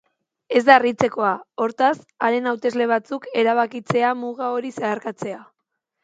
Ez da harritzekoa, hortaz, haren hautesle batzuk erabakitzea muga hori zeharkatzea.